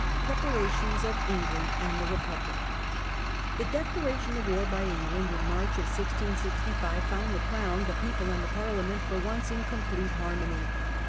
Preparations of England and tiie Republic. The declaration of war by England in March, 1665, found the Crown, the people, and the Parliament for once English pre m com plete harmony.